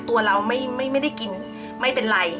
ตัวเราไม่ได้กินไม่เป็นไร